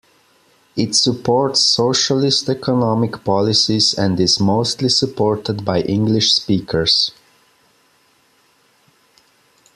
It supports socialist economic policies and is mostly supported by English speakers.